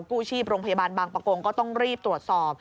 กู้ชีพโรงพยาบาลบางประกงก็ต้องรีบตรวจสอบ